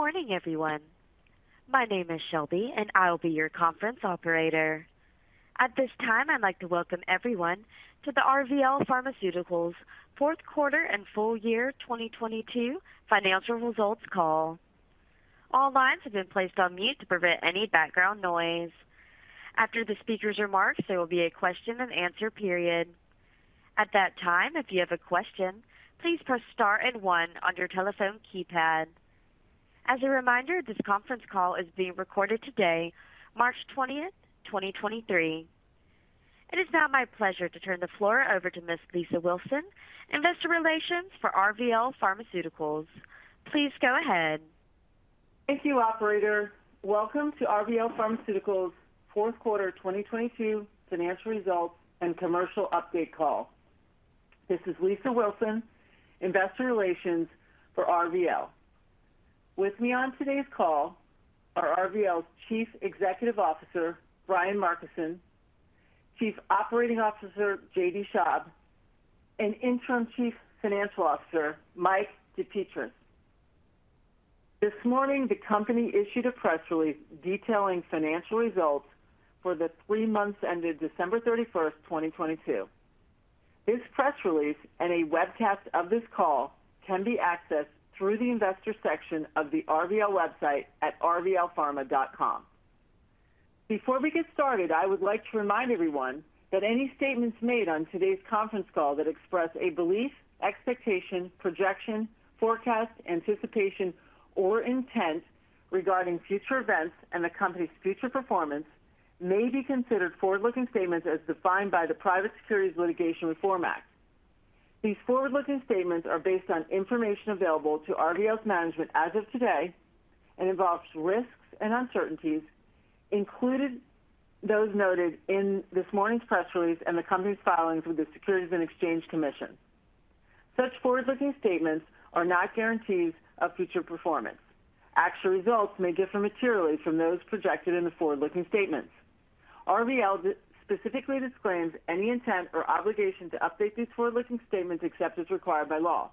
Good morning, everyone. My name is Shelby, and I'll be your conference operator. At this time, I'd like to welcome everyone to the RVL Pharmaceuticals Fourth Quarter and Full Year 2022 Financial Results Call. All lines have been placed on mute to prevent any background noise. After the speaker's remarks, there will be a question and answer period. At that time, if you have a question, please press star 1 on your telephone keypad. As a reminder, this conference call is being recorded today, March 20, 2023. It is now my pleasure to turn the floor over to Ms. Lisa Wilson, investor relations for RVL Pharmaceuticals. Please go ahead. Thank you, operator. Welcome to RVL Pharmaceuticals Fourth Quarter 2022 Financial Results and Commercial Update Call. This is Lisa Wilson, investor relations for RVL. With me on today's call are RVL's Chief Executive Officer, Brian Markison, Chief Operating Officer, J.D. Schaub, and Interim Chief Financial Officer, Mike DePetris. This morning, the company issued a press release detailing financial results for the 3 months ended December 31st, 2022. This press release and a webcast of this call can be accessed through the investor section of the RVL website at rvlpharma.com. Before we get started, I would like to remind everyone that any statements made on today's conference call that express a belief, expectation, projection, forecast, anticipation, or intent regarding future events and the company's future performance may be considered forward-looking statements as defined by the Private Securities Litigation Reform Act. These forward-looking statements are based on information available to RVL's management as of today and involves risks and uncertainties, including those noted in this morning's press release and the company's filings with the Securities and Exchange Commission. Such forward-looking statements are not guarantees of future performance. Actual results may differ materially from those projected in the forward-looking statements. RVL specifically disclaims any intent or obligation to update these forward-looking statements except as required by law.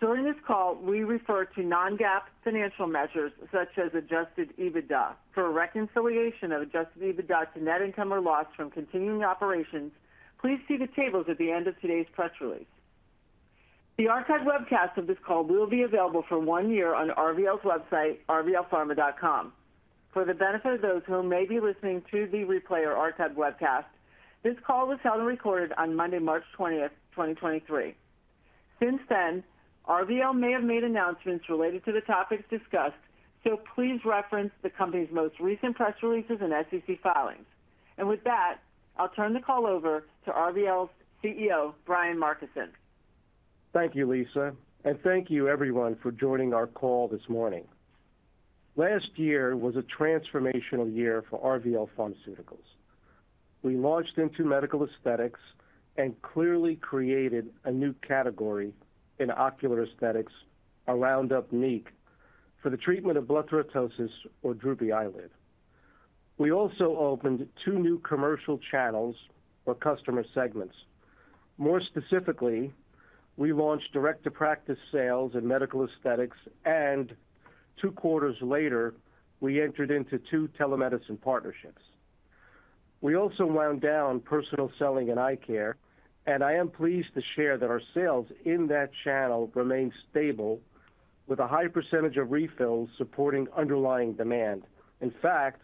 During this call, we refer to non-GAAP financial measures such as adjusted EBITDA. For a reconciliation of adjusted EBITDA to net income or loss from continuing operations, please see the tables at the end of today's press release. The archived webcast of this call will be available for one year on RVL's website, rvlpharma.com. For the benefit of those who may be listening to the replay or archived webcast, this call was held and recorded on Monday, March 20, 2023. Since then, RVL may have made announcements related to the topics discussed, so please reference the company's most recent press releases and SEC filings. With that, I'll turn the call over to RVL's CEO, Brian Markison. Thank you, Lisa. Thank you everyone for joining our call this morning. Last year was a transformational year for RVL Pharmaceuticals. We launched into medical aesthetics and clearly created a new category in ocular aesthetics around UPNEEQ for the treatment of blepharoptosis or droopy eyelid. We also opened two new commercial channels for customer segments. More specifically, we launched direct-to-practice sales in medical aesthetics, and two quarters later, we entered into two telemedicine partnerships. We also wound down personal selling in eye care, and I am pleased to share that our sales in that channel remain stable with a high percentage of refills supporting underlying demand. In fact,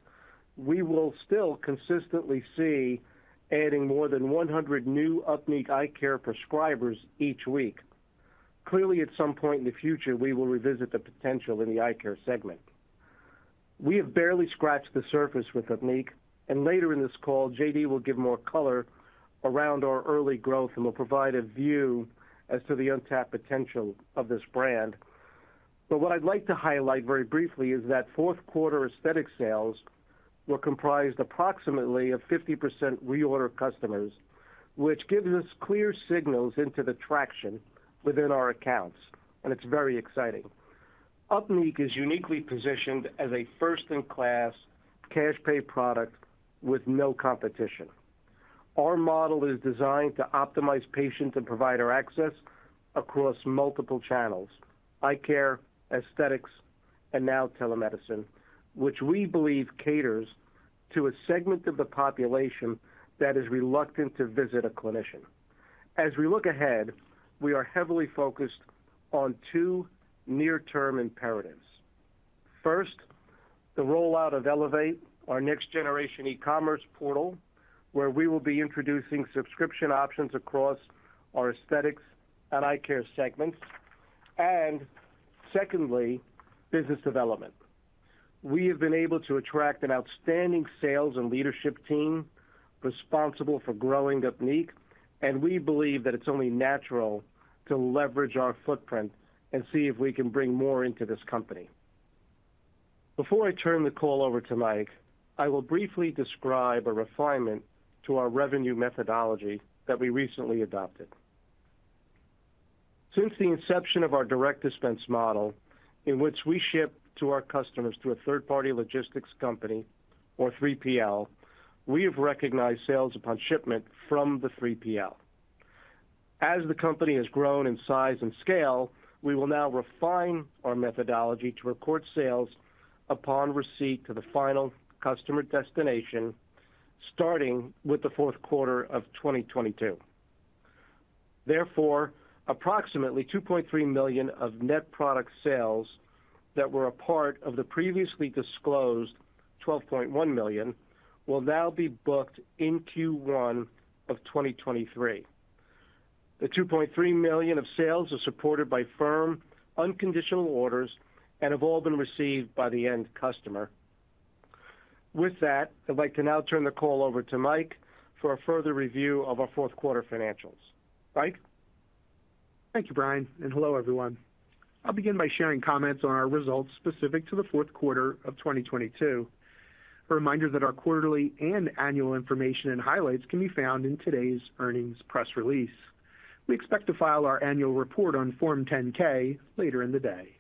we will still consistently see adding more than 100 new UPNEEQ eye care prescribers each week. Clearly, at some point in the future, we will revisit the potential in the eye care segment. We have barely scratched the surface with UPNEEQ, and later in this call, J.D. will give more color around our early growth and will provide a view as to the untapped potential of this brand. What I'd like to highlight very briefly is that fourth quarter aesthetic sales were comprised approximately of 50% reorder customers, which gives us clear signals into the traction within our accounts, and it's very exciting. UPNEEQ is uniquely positioned as a first-in-class cash pay product with no competition. Our model is designed to optimize patient and provider access across multiple channels, eye care, aesthetics, and now telemedicine, which we believe caters to a segment of the population that is reluctant to visit a clinician. As we look ahead, we are heavily focused on two near-term imperatives. First, the rollout of ELEVATE, our next-generation e-commerce portal, where we will be introducing subscription options across our aesthetics and eye care segments. Secondly, business development. We have been able to attract an outstanding sales and leadership team responsible for growing UPNEEQ, and we believe that it's only natural to leverage our footprint and see if we can bring more into this company. Before I turn the call over to Mike, I will briefly describe a refinement to our revenue methodology that we recently adopted. Since the inception of our direct dispense model, in which we ship to our customers through a third-party logistics company or 3PL, we have recognized sales upon shipment from the 3PL. As the company has grown in size and scale, we will now refine our methodology to record sales upon receipt to the final customer destination, starting with the fourth quarter of 2022. Approximately $2.3 million of net product sales that were a part of the previously disclosed $12.1 million will now be booked in Q1 of 2023. The $2.3 million of sales are supported by firm unconditional orders and have all been received by the end customer. With that, I'd like to now turn the call over to Mike for a further review of our fourth quarter financials. Mike? Thank you, Brian, and hello, everyone. I'll begin by sharing comments on our results specific to the fourth quarter of 2022. A reminder that our quarterly and annual information and highlights can be found in today's earnings press release. We expect to file our annual report on Form 10-K later in the day.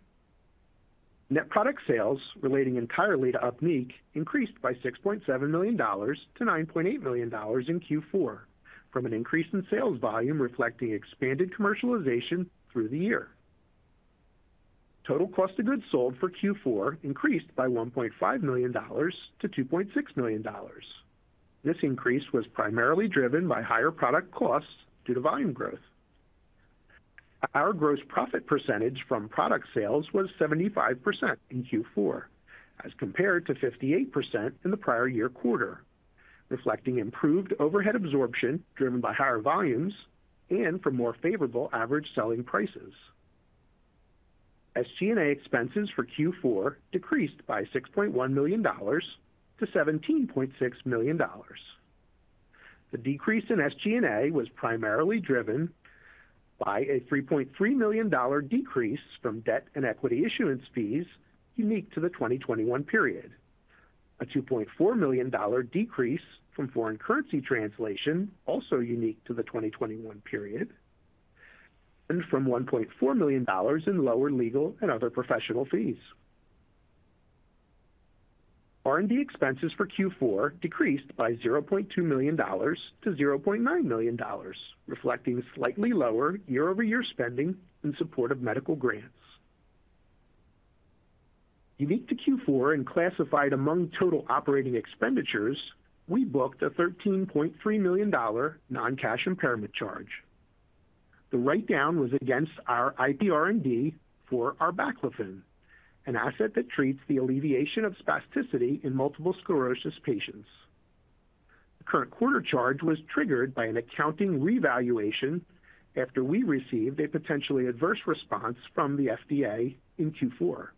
Net product sales relating entirely to UPNEEQ increased by $6.7 million to $9.8 million in Q4 from an increase in sales volume reflecting expanded commercialization through the year. Total cost of goods sold for Q4 increased by $1.5 million to $2.6 million. This increase was primarily driven by higher product costs due to volume growth. Our gross profit percentage from product sales was 75% in Q4 as compared to 58% in the prior year quarter, reflecting improved overhead absorption driven by higher volumes and from more favorable average selling prices. SG&A expenses for Q4 decreased by $6.1 million to $17.6 million. The decrease in SG&A was primarily driven by a $3.3 million decrease from debt and equity issuance fees unique to the 2021 period. A $2.4 million decrease from foreign currency translation, also unique to the 2021 period, and from $1.4 million in lower legal and other professional fees. R&D expenses for Q4 decreased by $0.2 million to $0.9 million, reflecting slightly lower year-over-year spending in support of medical grants. Unique to Q4 and classified among total operating expenditures, we booked a $13.3 million non-cash impairment charge. The write-down was against our IPR&D for arbaclofen, an asset that treats the alleviation of spasticity in multiple sclerosis patients. The current quarter charge was triggered by an accounting revaluation after we received a potentially adverse response from the FDA in Q4.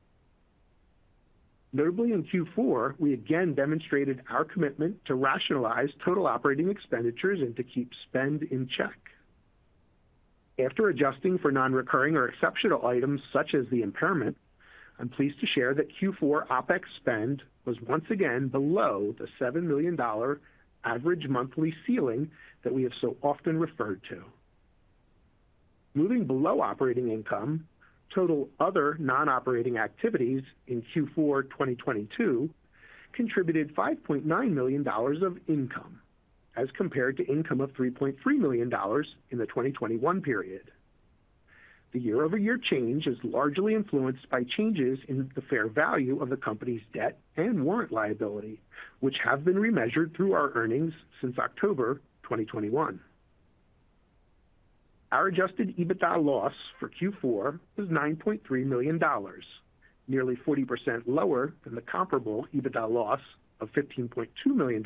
Notably in Q4, we again demonstrated our commitment to rationalize total operating expenditures and to keep spend in check. After adjusting for non-recurring or exceptional items such as the impairment, I'm pleased to share that Q4 OPEX spend was once again below the $7 million average monthly ceiling that we have so often referred to. Moving below operating income, total other non-operating activities in Q4 2022 contributed $5.9 million of income as compared to income of $3.3 million in the 2021 period. The year-over-year change is largely influenced by changes in the fair value of the company's debt and warrant liability, which have been remeasured through our earnings since October 2021. Our adjusted EBITDA loss for Q4 was $9.3 million, nearly 40% lower than the comparable EBITDA loss of $15.2 million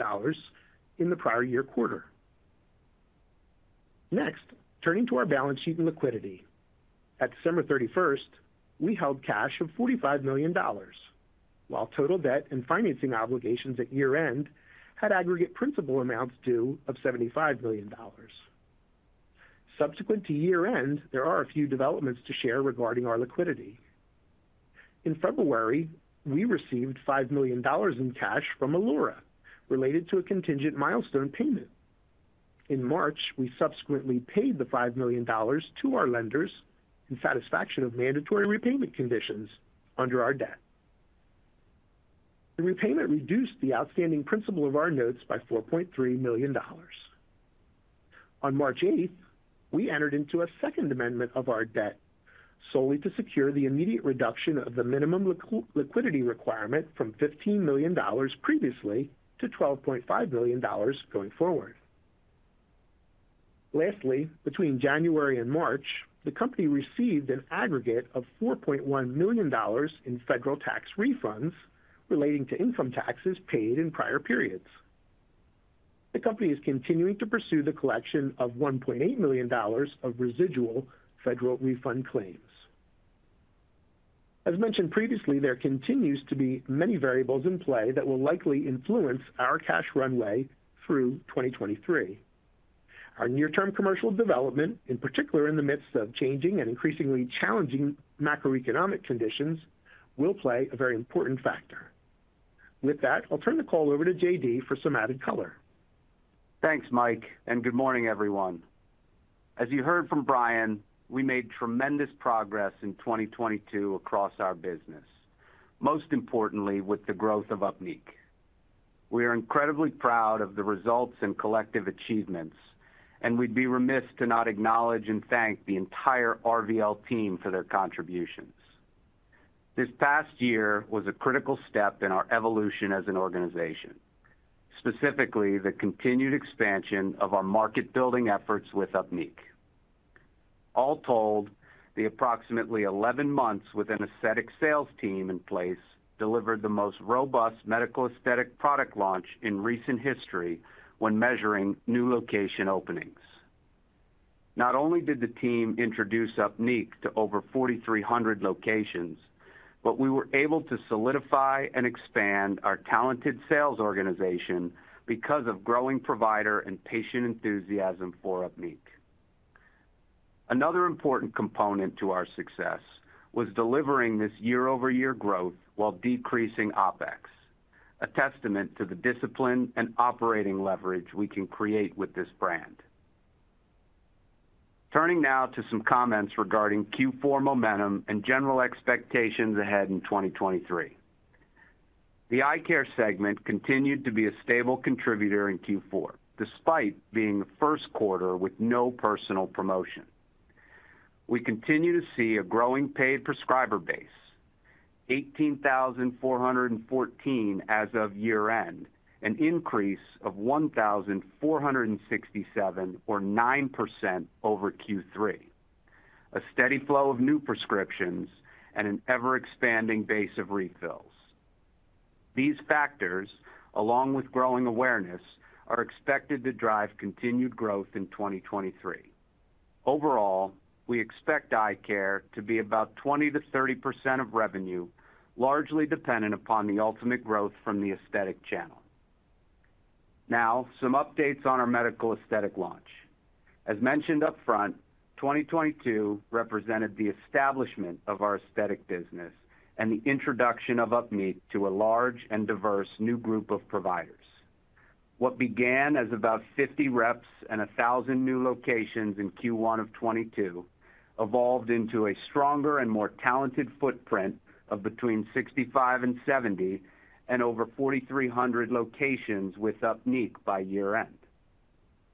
in the prior year quarter. Next, turning to our balance sheet and liquidity. At December 31st, we held cash of $45 million, while total debt and financing obligations at year-end had aggregate principal amounts due of $75 million. Subsequent to year-end, there are a few developments to share regarding our liquidity. In February, we received $5 million in cash from Alora related to a contingent milestone payment. In March, we subsequently paid the $5 million to our lenders in satisfaction of mandatory repayment conditions under our debt. The repayment reduced the outstanding principal of our notes by $4.3 million. On March 8, we entered into a second amendment of our debt solely to secure the immediate reduction of the minimum liquidity requirement from $15 million previously to $12.5 million going forward. Lastly, between January and March, the company received an aggregate of $4.1 million in federal tax refunds relating to income taxes paid in prior periods. The company is continuing to pursue the collection of $1.8 million of residual federal refund claims. As mentioned previously, there continues to be many variables in play that will likely influence our cash runway through 2023. Our near-term commercial development, in particular in the midst of changing and increasingly challenging macroeconomic conditions, will play a very important factor. With that, I'll turn the call over to J.D. for some added color. Thanks, Mike, and good morning, everyone. As you heard from Brian, we made tremendous progress in 2022 across our business, most importantly with the growth of UPNEEQ. We are incredibly proud of the results and collective achievements, we'd be remiss to not acknowledge and thank the entire RVL team for their contributions. This past year was a critical step in our evolution as an organization, specifically the continued expansion of our market building efforts with UPNEEQ. All told, the approximately 11 months with an aesthetic sales team in place delivered the most robust medical aesthetic product launch in recent history when measuring new location openings. Not only did the team introduce UPNEEQ to over 4,300 locations, but we were able to solidify and expand our talented sales organization because of growing provider and patient enthusiasm for UPNEEQ. Another important component to our success was delivering this year-over-year growth while decreasing OpEx, a testament to the discipline and operating leverage we can create with this brand. Turning now to some comments regarding Q4 momentum and general expectations ahead in 2023. The eye care segment continued to be a stable contributor in Q4, despite being the first quarter with no personal promotion. We continue to see a growing paid prescriber base, 18,414 as of year-end, an increase of 1,467 or 9% over Q3, a steady flow of new prescriptions, and an ever-expanding base of refills. These factors, along with growing awareness, are expected to drive continued growth in 2023. Overall, we expect eye care to be about 20%-30% of revenue, largely dependent upon the ultimate growth from the aesthetic channel. Now, some updates on our medical aesthetic launch. As mentioned upfront, 2022 represented the establishment of our aesthetic business and the introduction of UPNEEQ to a large and diverse new group of providers. What began as about 50 reps and 1,000 new locations in Q1 of 2022 evolved into a stronger and more talented footprint of between 65 and 70 and over 4,300 locations with UPNEEQ by year-end.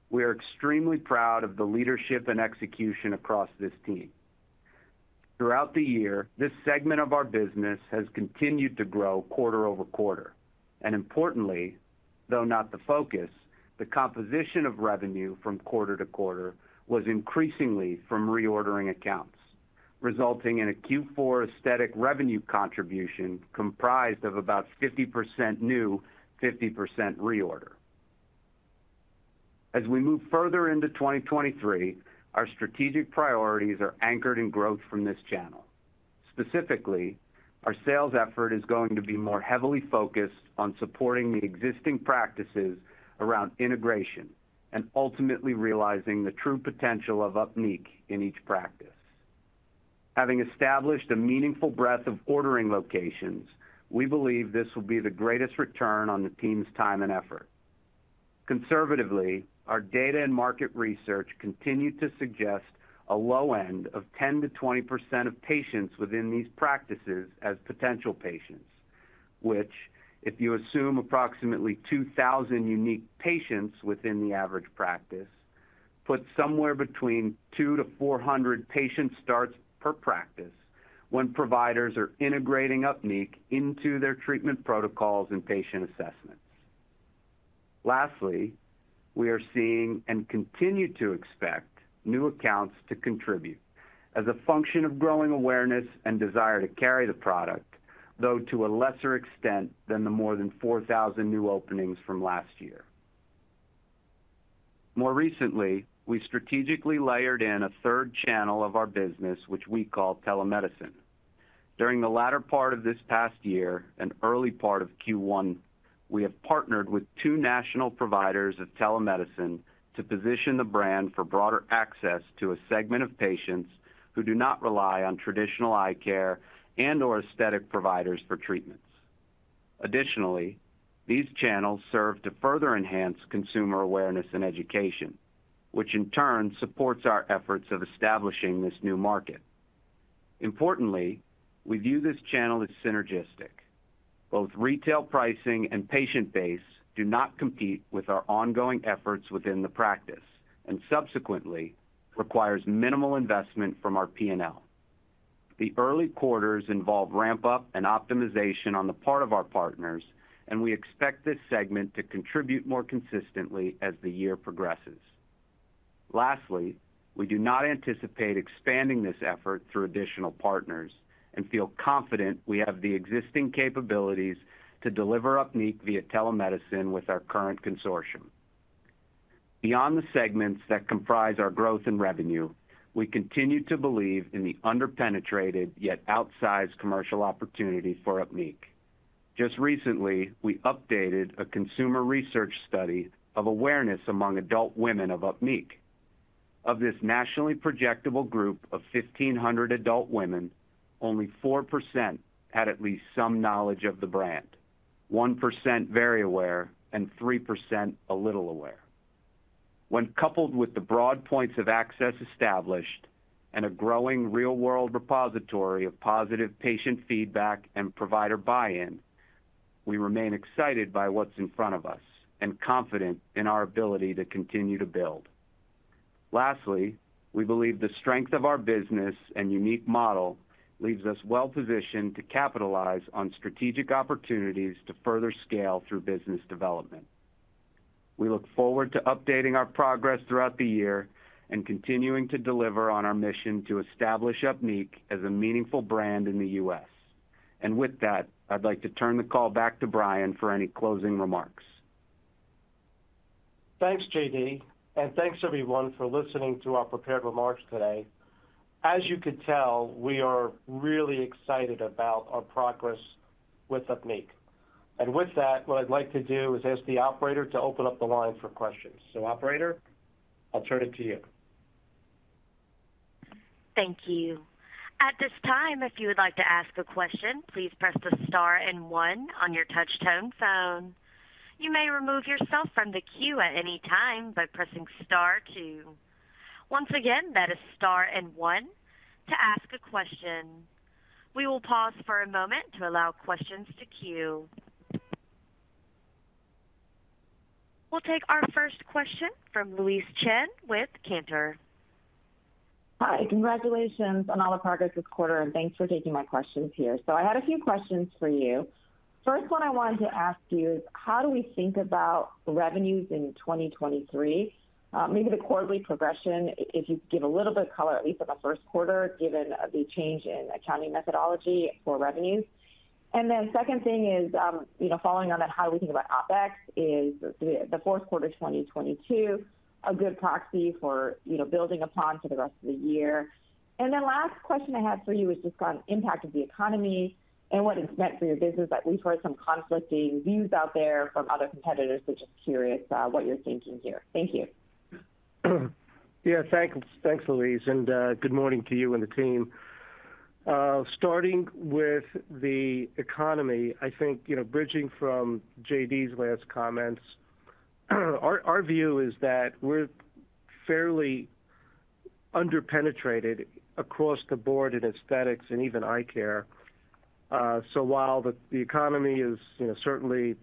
We are extremely proud of the leadership and execution across this team. Throughout the year, this segment of our business has continued to grow quarter-over-quarter, and importantly, though not the focus, the composition of revenue from quarter to quarter was increasingly from reordering accounts, resulting in a Q4 aesthetic revenue contribution comprised of about 50% new, 50% reorder. As we move further into 2023, our strategic priorities are anchored in growth from this channel. Specifically, our sales effort is going to be more heavily focused on supporting the existing practices around integration and ultimately realizing the true potential of Upneeq in each practice. Having established a meaningful breadth of ordering locations, we believe this will be the greatest return on the team's time and effort. Conservatively, our data and market research continue to suggest a low end of 10%-20% of patients within these practices as potential patients, which if you assume approximately 2,000 unique patients within the average practice, put somewhere between 200-400 patient starts per practice when providers are integrating Upneeq into their treatment protocols and patient assessments. Lastly, we are seeing and continue to expect new accounts to contribute as a function of growing awareness and desire to carry the product, though to a lesser extent than the more than 4,000 new openings from last year. More recently, we strategically layered in a third channel of our business, which we call telemedicine. During the latter part of this past year and early part of Q1, we have partnered with two national providers of telemedicine to position the brand for broader access to a segment of patients who do not rely on traditional eye care and or aesthetic providers for treatments. Additionally, these channels serve to further enhance consumer awareness and education, which in turn supports our efforts of establishing this new market. Importantly, we view this channel as synergistic. Both retail pricing and patient base do not compete with our ongoing efforts within the practice and subsequently requires minimal investment from our P&L. The early quarters involve ramp up and optimization on the part of our partners, and we expect this segment to contribute more consistently as the year progresses. Lastly, we do not anticipate expanding this effort through additional partners and feel confident we have the existing capabilities to deliver UPNEEQ via telemedicine with our current consortium. Beyond the segments that comprise our growth in revenue, we continue to believe in the under-penetrated yet outsized commercial opportunity for UPNEEQ. Just recently, we updated a consumer research study of awareness among adult women of UPNEEQ. Of this nationally projectable group of 1,500 adult women, only 4% had at least some knowledge of the brand, 1% very aware and 3% a little aware. When coupled with the broad points of access established and a growing real-world repository of positive patient feedback and provider buy-in, we remain excited by what's in front of us and confident in our ability to continue to build. Lastly, we believe the strength of our business and unique model leaves us well positioned to capitalize on strategic opportunities to further scale through business development. We look forward to updating our progress throughout the year and continuing to deliver on our mission to establish UPNEEQ as a meaningful brand in the U.S. With that, I'd like to turn the call back to Brian for any closing remarks. Thanks, J.D., and thanks everyone for listening to our prepared remarks today. As you could tell, we are really excited about our progress with UPNEEQ. With that, what I'd like to do is ask the Operator to open up the line for questions. Operator, I'll turn it to you. Thank you. At this time, if you would like to ask a question, please press the star and 1 on your touch tone phone. You may remove yourself from the queue at any time by pressing star 2. Once again, that is star and 1 to ask a question. We will pause for a moment to allow questions to queue. We'll take our first question from Louise Chen with Cantor. Hi. Congratulations on all the progress this quarter, and thanks for taking my questions here. I had a few questions for you. First one I wanted to ask you is, how do we think about revenues in 2023? Maybe the quarterly progression, if you could give a little bit of color, at least for the 1st quarter, given the change in accounting methodology for revenues. Second thing is, you know, following on that, how we think about OpEx, is the 4th quarter 2022 a good proxy for, you know, building upon for the rest of the year? Last question I had for you is just on impact of the economy and what it's meant for your business. At least heard some conflicting views out there from other competitors, so just curious what you're thinking here. Thank you. Yeah, thanks. Thanks, Louise, good morning to you and the team. Starting with the economy, I think, you know, bridging from J.D.'s last comments, our view is that we're fairly under-penetrated across the board in aesthetics and even eye care. While the economy is, you know, certainly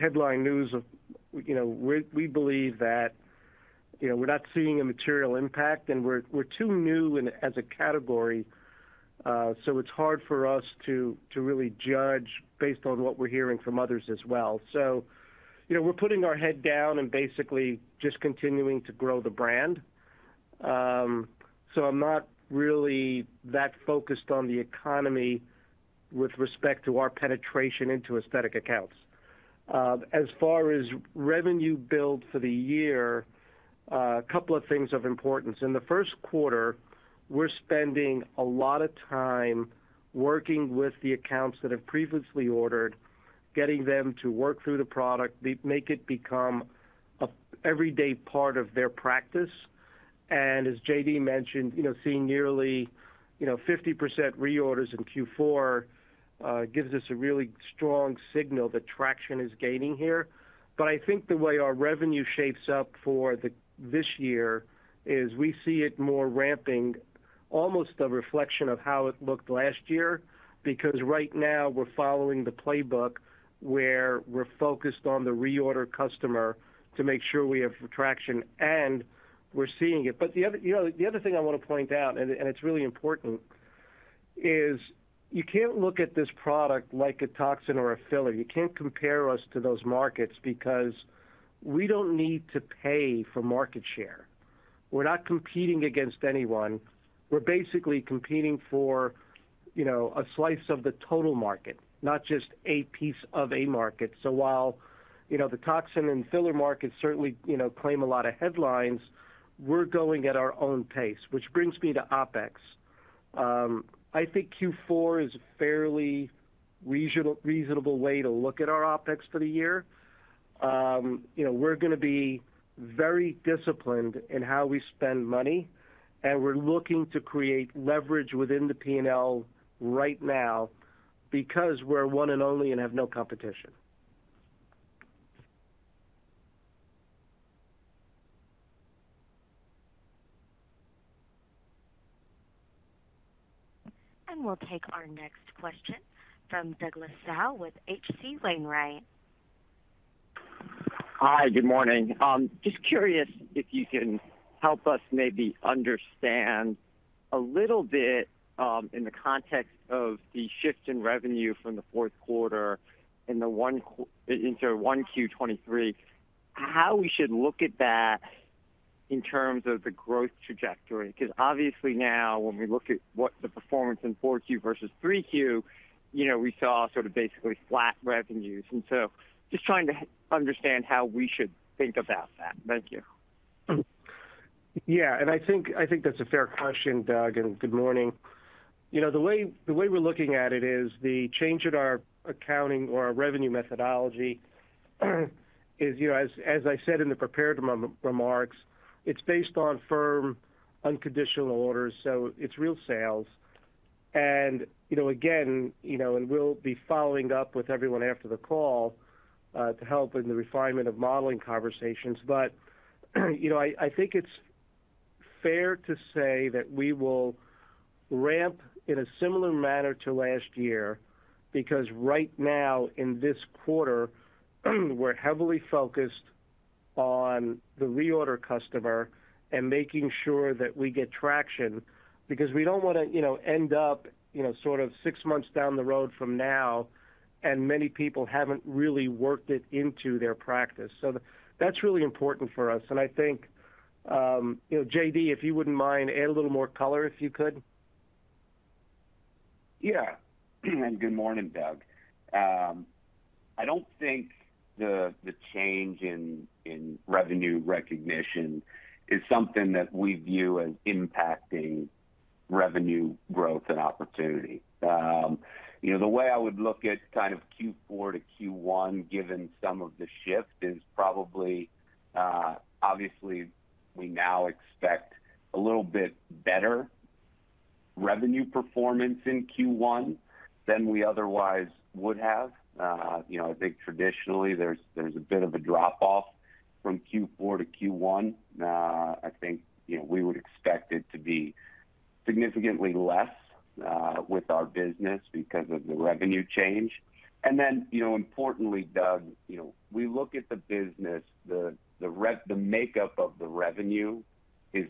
headline news of... You know, we believe that, you know, we're not seeing a material impact, and we're too new as a category, so it's hard for us to really judge based on what we're hearing from others as well. You know, we're putting our head down and basically just continuing to grow the brand. I'm not really that focused on the economy with respect to our penetration into aesthetic accounts. As far as revenue build for the year, a couple of things of importance. In the first quarter, we're spending a lot of time working with the accounts that have previously ordered, getting them to work through the product, make it become an everyday part of their practice. As J.D. mentioned, you know, seeing nearly, you know, 50% reorders in Q4 gives us a really strong signal that traction is gaining here. I think the way our revenue shapes up for this year is we see it more ramping, almost a reflection of how it looked last year, because right now we're following the playbook where we're focused on the reorder customer to make sure we have traction, and we're seeing it. The other, you know, the other thing I wanna point out, and it's really important, is you can't look at this product like a toxin or a filler. You can't compare us to those markets because we don't need to pay for market share. We're not competing against anyone. We're basically competing for, you know, a slice of the total market, not just a piece of a market. While, you know, the toxin and filler markets certainly, you know, claim a lot of headlines, we're going at our own pace, which brings me to OPEX. I think Q4 is a fairly reasonable way to look at our OPEX for the year. You know, we're gonna be very disciplined in how we spend money, we're looking to create leverage within the P&L right now because we're one and only and have no competition. We'll take our next question from Douglas Tsao with H.C. Wainwright. Hi. Good morning. Just curious if you can help us maybe understand a little bit in the context of the shift in revenue from the fourth quarter and into 1Q 2023, how we should look at that in terms of the growth trajectory. Obviously now, when we look at what the performance in 4Q versus 3Q, you know, we saw sort of basically flat revenues. Just trying to understand how we should think about that. Thank you. Yeah. I think that's a fair question, Doug, and good morning. You know, the way we're looking at it is the change in our accounting or our revenue methodology is, you know, as I said in the prepared remark. It's based on firm unconditional orders, so it's real sales. You know, again, you know, and we'll be following up with everyone after the call to help in the refinement of modeling conversations. You know, I think it's fair to say that we will ramp in a similar manner to last year, because right now in this quarter, we're heavily focused on the reorder customer and making sure that we get traction because we don't wanna, you know, end up, you know, sort of six months down the road from now and many people haven't really worked it into their practice. That's really important for us. I think, you know, J.D., if you wouldn't mind, add a little more color, if you could. Yeah. Good morning, Doug. I don't think the change in revenue recognition is something that we view as impacting revenue growth and opportunity. You know, the way I would look at kind of Q4 to Q1, given some of the shift, is probably, obviously we now expect a little bit better revenue performance in Q1 than we otherwise would have. You know, I think traditionally there's a bit of a drop-off from Q4 to Q1. I think, you know, we would expect it to be significantly less with our business because of the revenue change. You know, importantly, Doug, you know, we look at the business, the makeup of the revenue is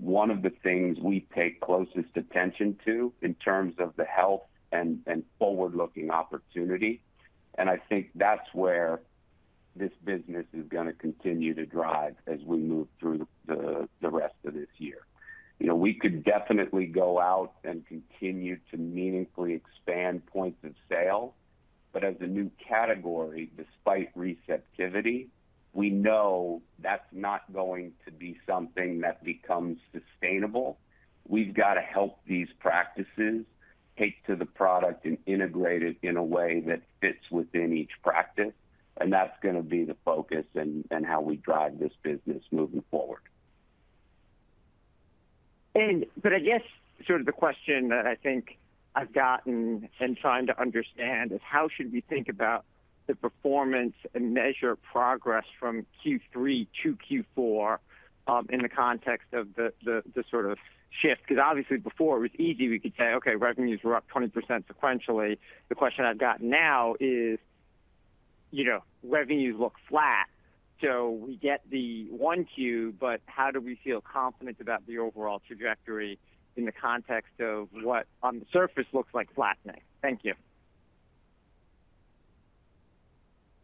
one of the things we pay closest attention to in terms of the health and forward-looking opportunity. I think that's where this business is gonna continue to drive as we move through the rest of this year. You know, we could definitely go out and continue to meaningfully expand points of sale. As a new category, despite receptivity, we know that's not going to be something that becomes sustainable. We've gotta help these practices take to the product and integrate it in a way that fits within each practice, and that's gonna be the focus and how we drive this business moving forward. But I guess sort of the question that I think I've gotten and trying to understand is: How should we think about the performance and measure progress from Q3 to Q4 in the context of the, the sort of shift? Because obviously before it was easy. We could say, "Okay, revenues were up 20% sequentially." The question I've got now is, you know, revenues look flat, so we get the 1 Q, but how do we feel confident about the overall trajectory in the context of what on the surface looks like flattening? Thank you.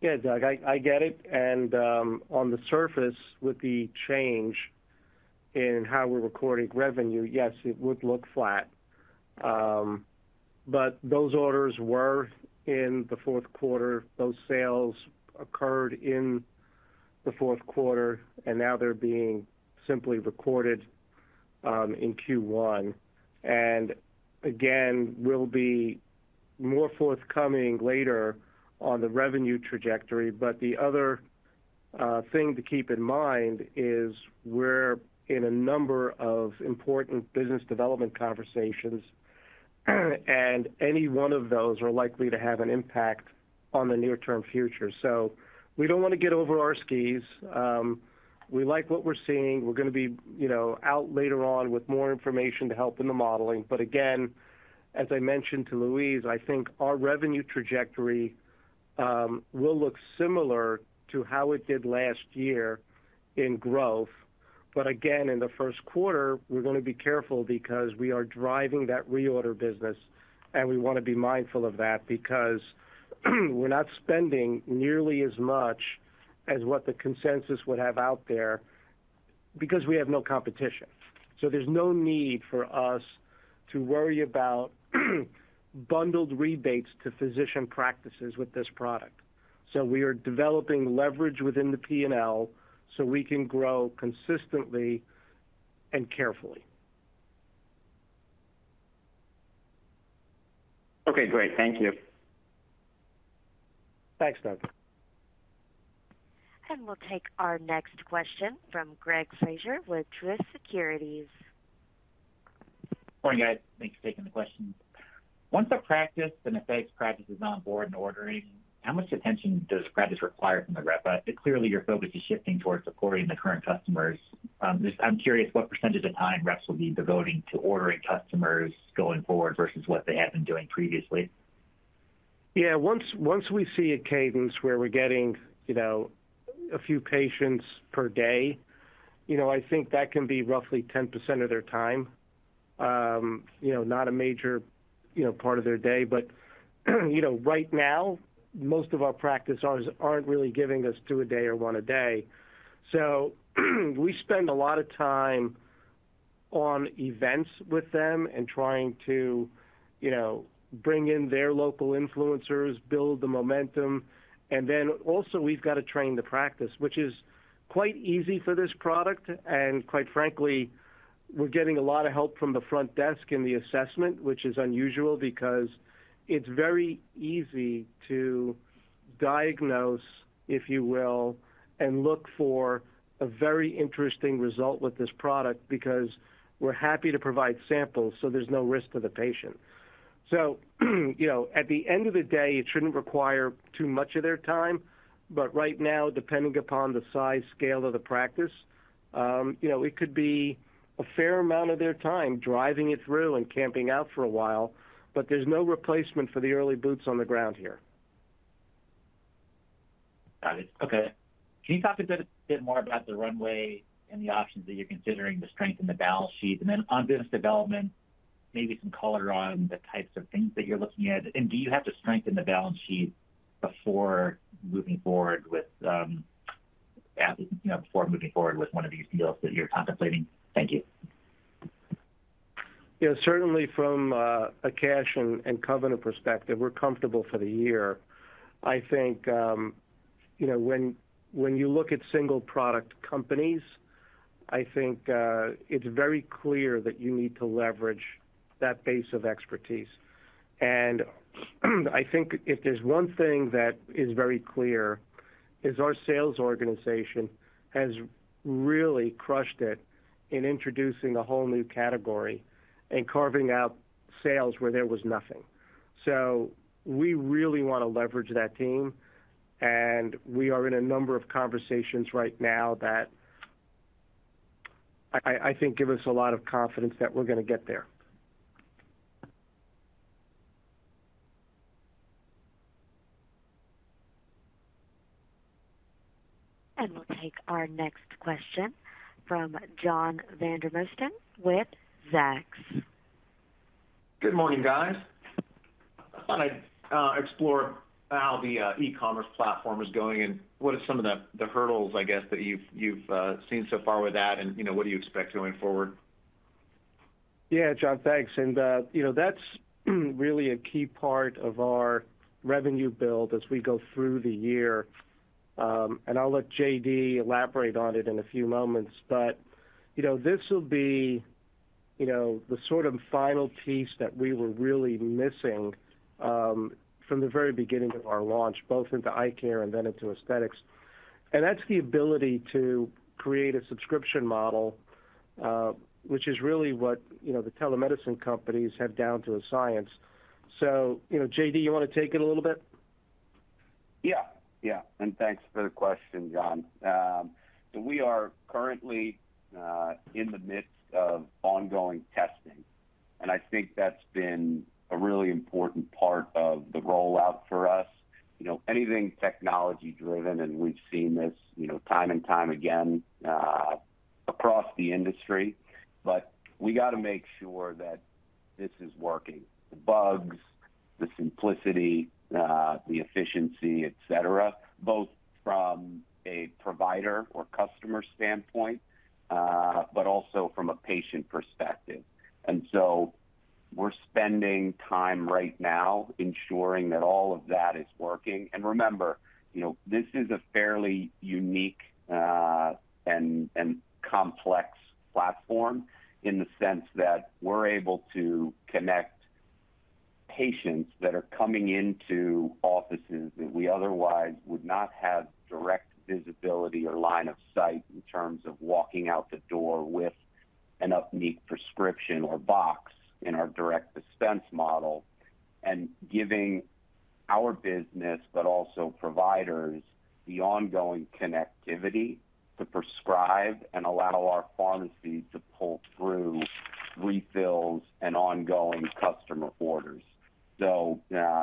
Yeah, Doug, I get it. On the surface, with the change in how we're recording revenue, yes, it would look flat. But those orders were in the fourth quarter, those sales occurred in the fourth quarter, and now they're being simply recorded in Q1. We'll be more forthcoming later on the revenue trajectory. The other thing to keep in mind is we're in a number of important business development conversations, and any one of those are likely to have an impact on the near-term future. We don't want to get over our skis. We like what we're seeing. We're going to be, you know, out later on with more information to help in the modeling. As I mentioned to Louise, I think our revenue trajectory will look similar to how it did last year in growth. In the first quarter, we're going to be careful because we are driving that reorder business, and we want to be mindful of that because we're not spending nearly as much as what the consensus would have out there because we have no competition. There's no need for us to worry about bundled rebates to physician practices with this product. We are developing leverage within the P&L so we can grow consistently and carefully. Okay, great. Thank you. Thanks, Doug. We'll take our next question from Greg Fraser with Truist Securities. Morning, guys. Thanks for taking the questions. Once a practice, an effect practice is on board and ordering, how much attention does practice require from the rep? Clearly, your focus is shifting towards supporting the current customers. Just I'm curious what % of time reps will be devoting to ordering customers going forward versus what they had been doing previously. Yeah. Once we see a cadence where we're getting, you know, a few patients per day, you know, I think that can be roughly 10% of their time. You know, not a major, you know, part of their day, but you know, right now, most of our practices aren't really giving us 2 a day or 1 a day. We spend a lot of time on events with them and trying to, you know, bring in their local influencers, build the momentum. Then also we've got to train the practice, which is quite easy for this product. Quite frankly, we're getting a lot of help from the front desk in the assessment, which is unusual because it's very easy to diagnose, if you will, and look for a very interesting result with this product because we're happy to provide samples so there's no risk to the patient. You know, at the end of the day, it shouldn't require too much of their time. Right now, depending upon the size scale of the practice, you know, it could be a fair amount of their time driving it through and camping out for a while, but there's no replacement for the early boots on the ground here. Got it. Okay. Can you talk a bit more about the runway and the options that you're considering to strengthen the balance sheet? On business development, maybe some color on the types of things that you're looking at. Do you have to strengthen the balance sheet before moving forward with, you know, one of these deals that you're contemplating? Thank you. Certainly from a cash and covenant perspective, we're comfortable for the year. I think, you know, when you look at single product companies, I think it's very clear that you need to leverage that base of expertise. I think if there's one thing that is very clear is our sales organization has really crushed it in introducing a whole new category and carving out sales where there was nothing. We really wanna leverage that team, and we are in a number of conversations right now that I think give us a lot of confidence that we're gonna get there. We'll take our next question from John Vandermosten with Zacks. Good morning, guys. I thought I'd explore how the e-commerce platform is going and what are some of the hurdles, I guess, that you've seen so far with that and, you know, what do you expect going forward? Yeah. John, thanks. You know, that's really a key part of our revenue build as we go through the year. I'll let J.D. elaborate on it in a few moments. You know, this will be, you know, the sort of final piece that we were really missing from the very beginning of our launch, both into eye care and then into aesthetics. That's the ability to create a subscription model, which is really what, you know, the telemedicine companies have down to a science. You know, J.D., you wanna take it a little bit? Yeah. Yeah. Thanks for the question, John. We are currently in the midst of ongoing testing, and I think that's been a really important part of the rollout for us. You know, anything technology driven, and we've seen this, you know, time and time again, across the industry, but we gotta make sure that this is working. The bugs, the simplicity, the efficiency, et cetera, both from a provider or customer standpoint, but also from a patient perspective. We're spending time right now ensuring that all of that is working. Remember, you know, this is a fairly unique and complex platform in the sense that we're able to connect patients that are coming into offices that we otherwise would not have direct visibility or line of sight in terms of walking out the door with an UPNEEQ prescription or box in our direct dispense model. Giving our business, but also providers the ongoing connectivity to prescribe and allow our pharmacy to pull through refills and ongoing customer orders.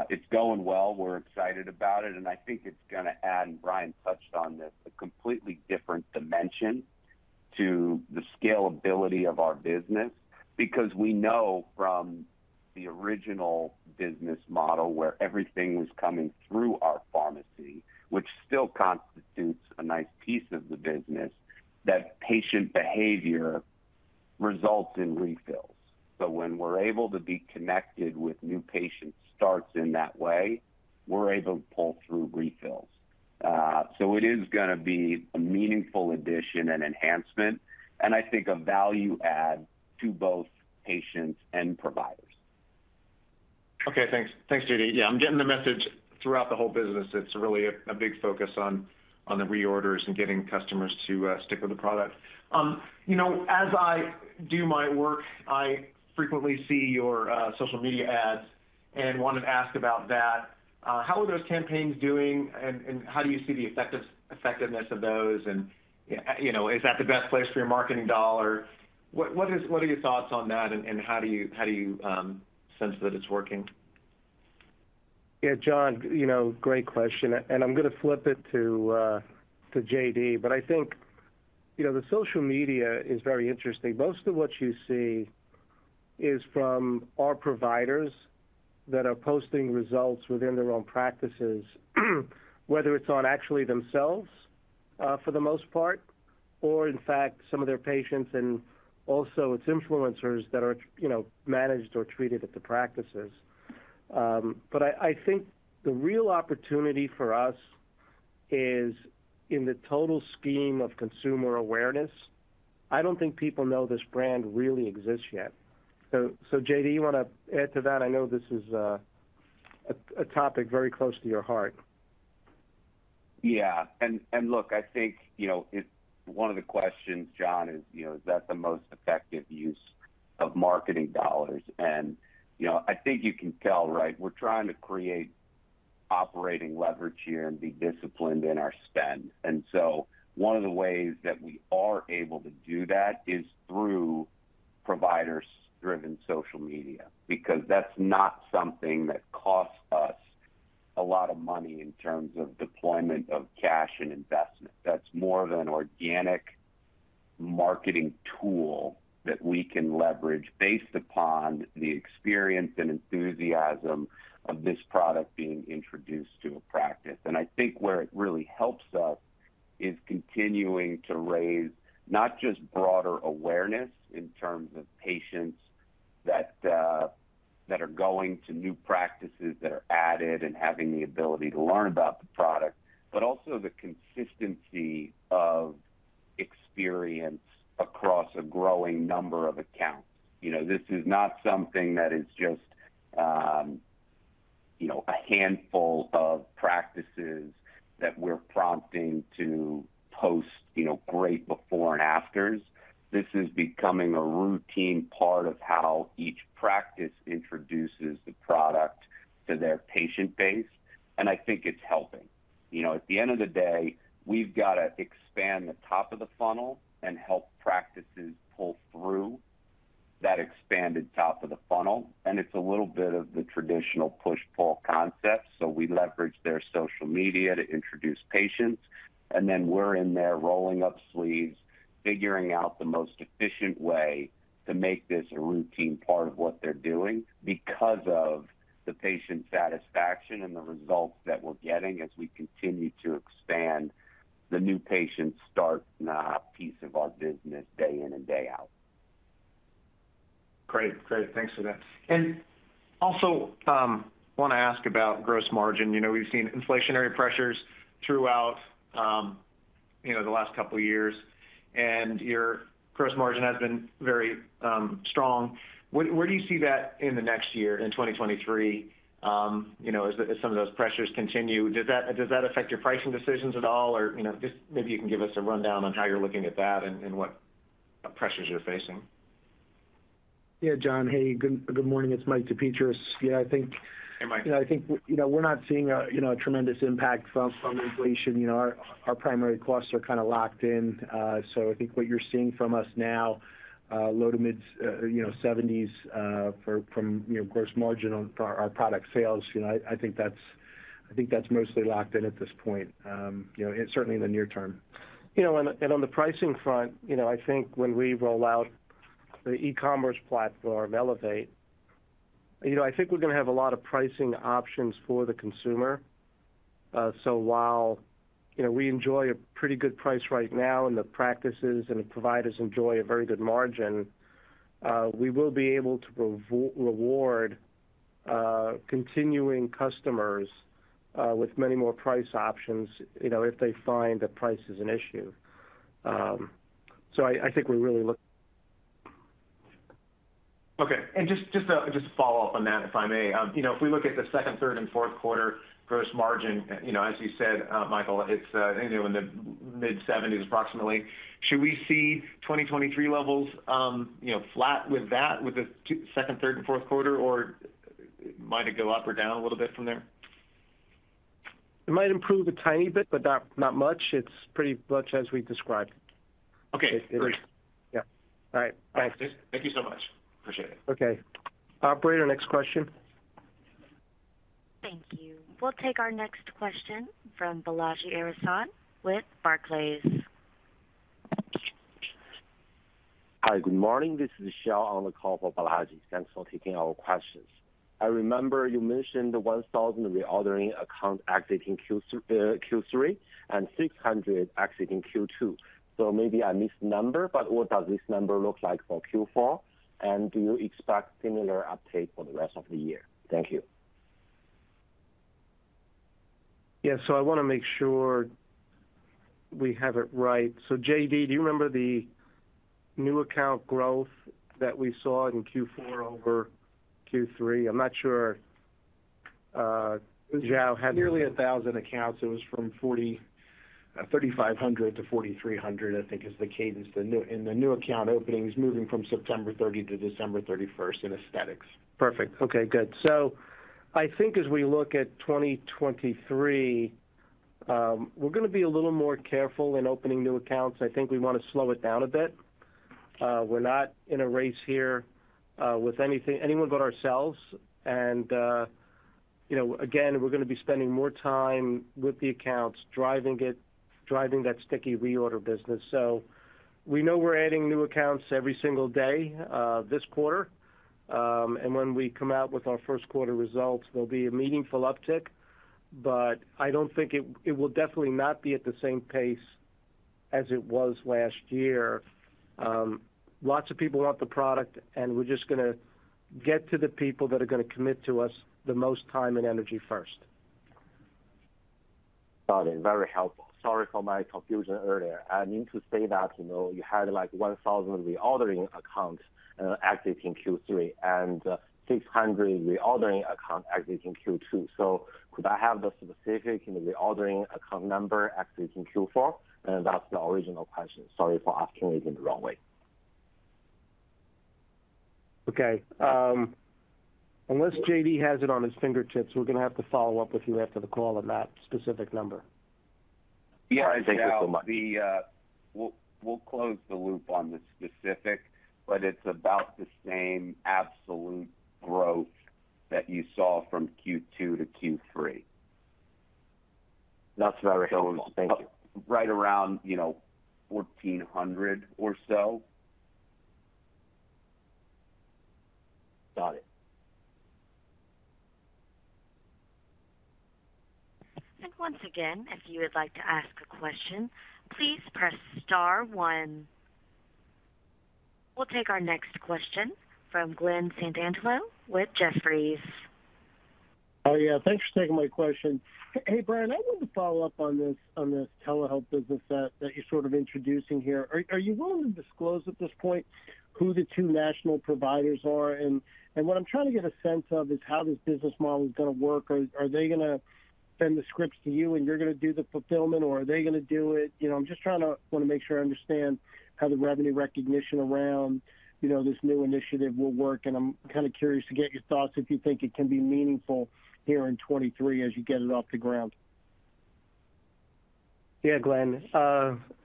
It's going well. We're excited about it, and I think it's gonna add, and Brian touched on this, a completely different dimension to the scalability of our business. We know from the original business model where everything was coming through our pharmacy, which still constitutes a nice piece of the business, that patient behavior results in refills. When we're able to be connected with new patient starts in that way, we're able to pull through refills. It is gonna be a meaningful addition and enhancement, and I think a value add to both patients and providers. Okay, thanks. Thanks, J.D. Yeah, I'm getting the message throughout the whole business. It's really a big focus on the reorders and getting customers to stick with the product. You know, as I do my work, I frequently see your social media ads and wanted to ask about that. How are those campaigns doing and how do you see the effectiveness of those? You know, is that the best place for your marketing dollar? What are your thoughts on that and how do you sense that it's working? Yeah, John, you know, great question and I'm gonna flip it to J.D. I think, you know, the social media is very interesting. Most of what you see is from our providers that are posting results within their own practices, whether it's on actually themselves, for the most part, or in fact some of their patients and also its influencers that are, you know, managed or treated at the practices. I think the real opportunity for us is in the total scheme of consumer awareness, I don't think people know this brand really exists yet. J.D., you wanna add to that? I know this is, a topic very close to your heart. Yeah. Look, I think, you know, one of the questions, John, is, you know, is that the most effective use of marketing dollars? You know, I think you can tell, right? We're trying to create operating leverage here and be disciplined in our spend. One of the ways that we are able to do that is through provider-driven social media, because that's not something that costs us a lot of money in terms of deployment of cash and investment. That's more of an organic marketing tool that we can leverage based upon the experience and enthusiasm of this product being introduced to a practice. I think where it really helps us is continuing to raise not just broader awareness in terms of patients that are going to new practices that are added and having the ability to learn about the product, but also the consistency of experience across a growing number of accounts. You know, this is not something that is just, you know, a handful of practices that we're prompting to post, you know, great before and afters. This is becoming a routine part of how each practice introduces the product to their patient base, and I think it's helping. You know, at the end of the day, we've gotta expand the top of the funnel and help practices pull through that expanded top of the funnel, and it's a little bit of the traditional push-pull concept. We leverage their social media to introduce patients, and then we're in there rolling up sleeves, figuring out the most efficient way to make this a routine part of what they're doing because of the patient satisfaction and the results that we're getting as we continue to expand the new patient start piece of our business day in and day out. Great. Thanks for that. Also, wanna ask about gross margin. You know, we've seen inflationary pressures throughout, you know, the last couple years, and your gross margin has been very strong. Where do you see that in the next year, in 2023, you know, as some of those pressures continue? Does that affect your pricing decisions at all? Or, you know, just maybe you can give us a rundown on how you're looking at that and what pressures you're facing. Yeah. John, hey, good morning. It's Mike DePetris. Yeah. Hey, Mike. You know, I think, you know, we're not seeing a, you know, a tremendous impact from inflation. You know, our primary costs are kinda locked in. I think what you're seeing from us now, low to mid 70s%, from, you know, gross margin on our product sales, you know, I think that's mostly locked in at this point, you know, certainly in the near term. On the pricing front, you know, I think when we roll out the e-commerce platform, ELEVATE, you know, I think we're gonna have a lot of pricing options for the consumer. While, you know, we enjoy a pretty good price right now, and the practices and the providers enjoy a very good margin, we will be able to reward, continuing customers, with many more price options, you know, if they find that price is an issue. I think we really look... Okay. Just to follow up on that, if I may. You know, if we look at the second, third, and fourth quarter gross margin, you know, as you said, Michael, it's, you know, in the mid-70s, approximately. Should we see 2023 levels, you know, flat with that, with the second, third, and fourth quarter? Or might it go up or down a little bit from there? It might improve a tiny bit, but not much. It's pretty much as we described. Okay. Great. Yeah. All right. Thanks. Thank you so much. Appreciate it. Okay. Operator, next question. Thank you. We'll take our next question from Balaji Prasad with Barclays. Hi. Good morning. This is Xiao on the call for Balaji. Thanks for taking our questions. I remember you mentioned the 1,000 reordering account exiting Q3 and 600 exiting Q2. Maybe I missed the number, but what does this number look like for Q4? Do you expect similar uptake for the rest of the year? Thank you. Yeah. I want to make sure we have it right. J.D., do you remember the new account growth that we saw in Q4 over Q3? I'm not sure Xiao had. Nearly 1,000 accounts. It was from 3,500 to 4,300, I think is the cadence in the new account openings moving from September 30 to December 31st in aesthetics. Perfect. Okay, good. I think as we look at 2023, we're gonna be a little more careful in opening new accounts. I think we wanna slow it down a bit. We're not in a race here with anyone but ourselves. You know, again, we're gonna be spending more time with the accounts, driving it, driving that sticky reorder business. We know we're adding new accounts every single day this quarter. When we come out with our first quarter results, there'll be a meaningful uptick, but it will definitely not be at the same pace as it was last year. Lots of people want the product, and we're just gonna get to the people that are gonna commit to us the most time and energy first. Got it. Very helpful. Sorry for my confusion earlier. I mean to say that, you know, you had, like, 1,000 reordering accounts active in Q3 and 600 reordering accounts active in Q2. Could I have the specific, you know, reordering account number active in Q4? That's the original question. Sorry for asking it in the wrong way. Okay. Unless JD has it on his fingertips, we're gonna have to follow up with you after the call on that specific number. Yeah. Thank you so much. All right. We'll close the loop on the specific, but it's about the same absolute growth that you saw from Q2 to Q3. That's very helpful. Thank you. About right around, you know, 1,400 or so. Got it. Once again, if you would like to ask a question, please press star 1. We'll take our next question from Glen Santangelo with Jefferies. Oh, yeah. Thanks for taking my question. Hey, Brian, I wanted to follow up on this telehealth business that you're sort of introducing here. Are you willing to disclose at this point who the 2 national providers are? What I'm trying to get a sense of is how this business model is gonna work. Are they gonna send the scripts to you, and you're gonna do the fulfillment, or are they gonna do it? You know, I'm just trying to wanna make sure I understand how the revenue recognition around, you know, this new initiative will work, and I'm kinda curious to get your thoughts if you think it can be meaningful here in 2023 as you get it off the ground. Yeah, Glenn.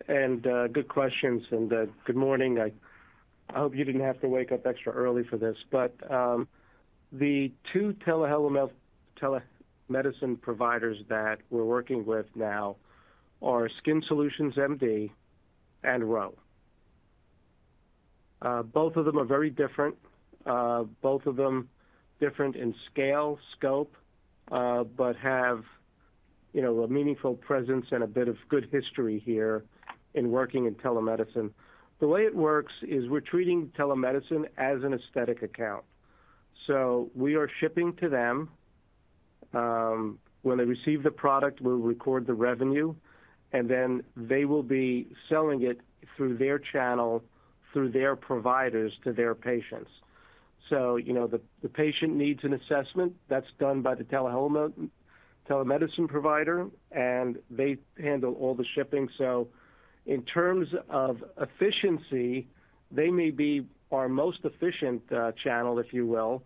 Good questions. Good morning. I hope you didn't have to wake up extra early for this. The two telemedicine providers that we're working with now are SkinSolutions.MD and Ro. Both of them are very different. Both of them different in scale, scope, but have, you know, a meaningful presence and a bit of good history here in working in telemedicine. The way it works is we're treating telemedicine as an aesthetic account. We are shipping to them. When they receive the product, we'll record the revenue, they will be selling it through their channel, through their providers to their patients. You know, the patient needs an assessment. That's done by the telemedicine provider, they handle all the shipping. In terms of efficiency, they may be our most efficient channel, if you will,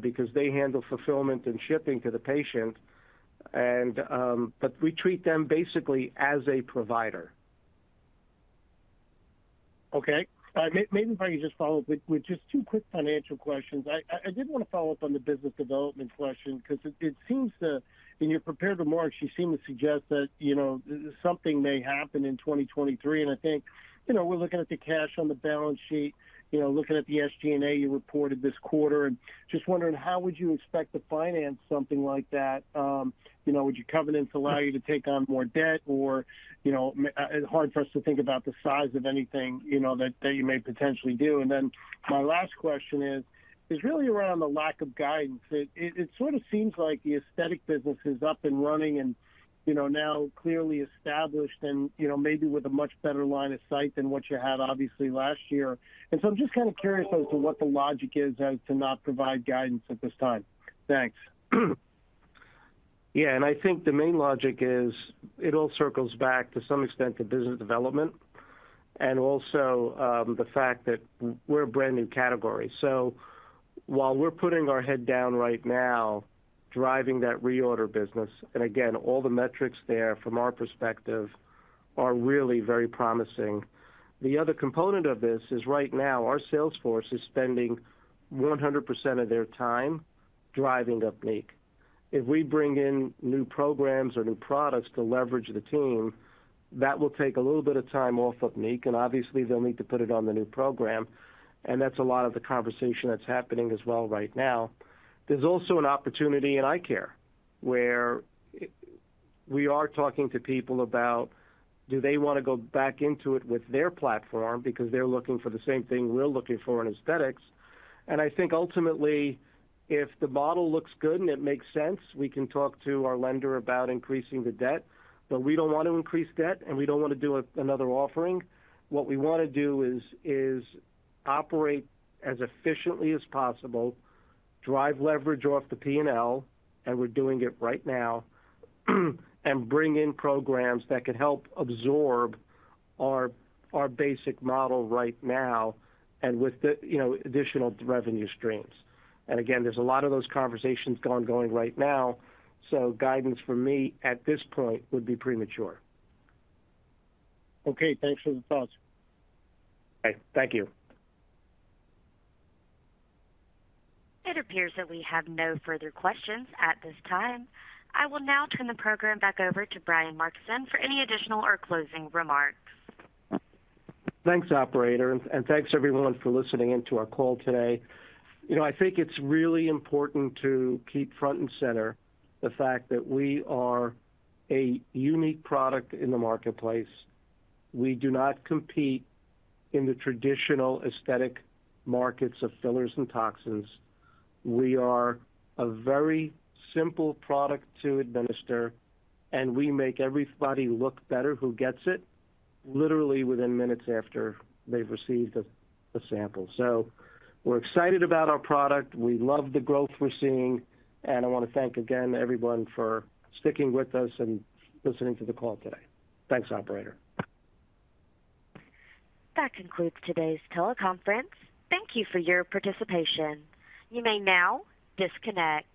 because they handle fulfillment and shipping to the patient and, but we treat them basically as a provider. Okay. Maybe if I could just follow up with just two quick financial questions. I did wanna follow up on the business development question because it seems to... In your prepared remarks, you seem to suggest that, you know, something may happen in 2023, and I think, you know, we're looking at the cash on the balance sheet, you know, looking at the SG&A you reported this quarter and just wondering how would you expect to finance something like that. You know, would your covenants allow you to take on more debt or, you know, hard for us to think about the size of anything, you know, that you may potentially do. Then my last question is really around the lack of guidance. It sort of seems like the aesthetic business is up and running and, you know, now clearly established and, you know, maybe with a much better line of sight than what you had obviously last year. I'm just kinda curious as to what the logic is as to not provide guidance at this time? Thanks. Yeah, I think the main logic is it all circles back to some extent to business development and also, the fact that we're a brand new category. While we're putting our head down right now, driving that reorder business, and again, all the metrics there from our perspective are really very promising. The other component of this is right now our sales force is spending 100% of their time driving UPNEEQ. If we bring in new programs or new products to leverage the team, that will take a little bit of time off of UPNEEQ, and obviously they'll need to put it on the new program. That's a lot of the conversation that's happening as well right now. There's also an opportunity in eye care where we are talking to people about do they wanna go back into it with their platform because they're looking for the same thing we're looking for in aesthetics. I think ultimately, if the model looks good and it makes sense, we can talk to our lender about increasing the debt. We don't want to increase debt, and we don't wanna do another offering. What we wanna do is operate as efficiently as possible, drive leverage off the P&L, and we're doing it right now, and bring in programs that can help absorb our basic model right now and with the, you know, additional revenue streams. Again, there's a lot of those conversations going right now, so guidance from me at this point would be premature. Okay. Thanks for the thoughts. Okay. Thank you. It appears that we have no further questions at this time. I will now turn the program back over to Brian Markison for any additional or closing remarks. Thanks, operator, and thanks, everyone, for listening in to our call today. You know, I think it's really important to keep front and center the fact that we are a unique product in the marketplace. We do not compete in the traditional aesthetic markets of fillers and toxins. We are a very simple product to administer, and we make everybody look better who gets it literally within minutes after they've received the sample. We're excited about our product. We love the growth we're seeing, and I wanna thank again everyone for sticking with us and listening to the call today. Thanks, operator. That concludes today's teleconference. Thank you for your participation. You may now disconnect.